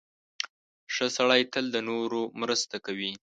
• ښه سړی تل د نورو مرسته کوي.